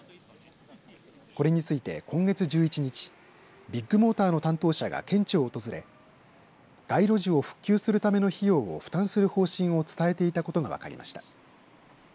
これについて今月１１日ビッグモーターの担当者が県庁を訪れ街路樹を復旧するための費用を負担する方針を伝えていたことが分かりました。